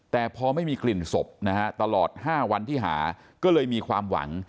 แต่พอไม่มีกลิ่นศพนะฮะตลอด๕วันที่หาก็เลยมีความหวัง